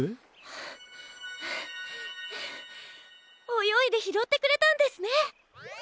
およいでひろってくれたんですね！